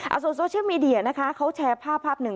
เอาโซเชียลมีเดียนะคะเขาแชร์ภาพภาพหนึ่ง